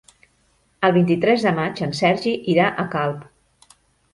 El vint-i-tres de maig en Sergi irà a Calp.